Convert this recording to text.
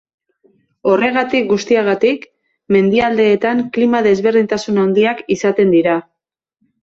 Horregatik guztiagatik, mendialdeetan klima desberdintasun handiak izaten dira.